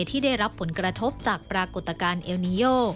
ที่ได้รับผลกระทบจากปรากฏการณ์เอลนิโย